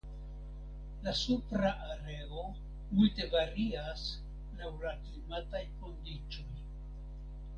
La supra areo multe varias laŭ la klimataj kondiĉoj.